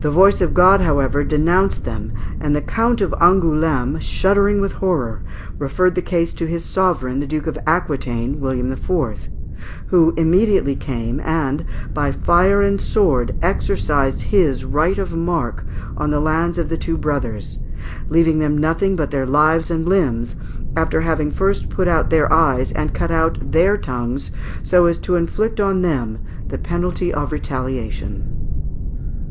The voice of God, however, denounced them, and the Count of Angoulême, shuddering with horror, referred the case to his sovereign, the Duke of Aquitaine, William IV., who immediately came, and by fire and sword exercised his right of marque on the lands of the two brothers, leaving them nothing but their lives and limbs, after having first put out their eyes and cut out their tongues, so as to inflict on them the penalty of retaliation.